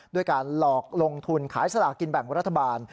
ด้วยการหลอกลงทุนขายสลากินแบ่งรัฐบาล